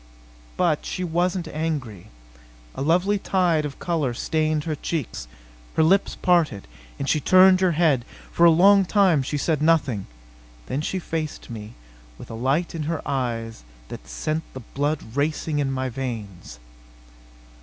But she wasn't angry. A lovely tide of color stained her cheeks. Her lips parted, and she turned her head. For a long time she said nothing. Then she faced me, with a light in her eyes that sent the blood racing in my veins.